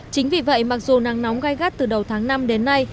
chính vì vậy mặc dù nắng nóng gai gắt từ đầu tháng năm đến nay